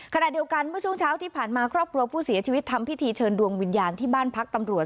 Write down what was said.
ขณะเดียวกันเมื่อช่วงเช้าที่ผ่านมาครอบครัวผู้เสียชีวิตทำพิธีเชิญดวงวิญญาณที่บ้านพักตำรวจ